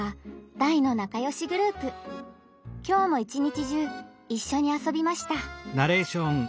きょうも一日中一緒に遊びました。